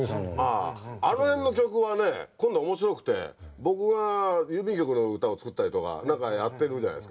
まああの辺の曲はね今度面白くて僕が郵便局の歌を作ったりとか何かやってるじゃないですか。